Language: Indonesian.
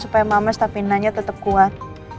supaya mama stabilannya tetap kuat